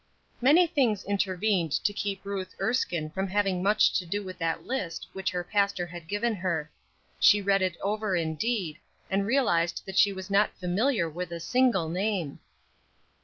MANY things intervened to keep Ruth Erskine from having much to do with that list which her pastor had given her. She read it over indeed, and realized that she was not familiar with a single name.